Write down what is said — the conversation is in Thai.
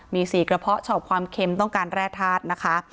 มี๔กระเพาะชอบความเค็มต้องการแร่ธาตุนะคะ